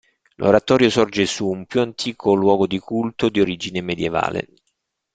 L'oratorio sorge su un più antico luogo di culto di origine medievale.